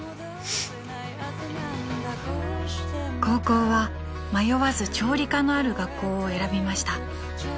［高校は迷わず調理科のある学校を選びました］